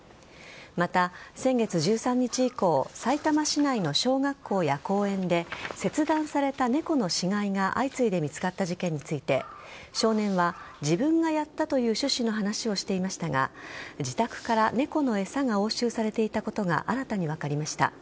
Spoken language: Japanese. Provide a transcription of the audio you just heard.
また、先月１３日以降さいたま市内の小学校や公園で切断された猫の死骸が相次いで見つかった事件について少年は自分がやったという趣旨の話をしていましたが自宅から猫の餌が押収されていたことが新たに分かりました。